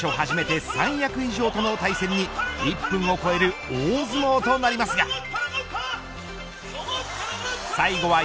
初めて三役以上との対戦に１分を超える大相撲となりますが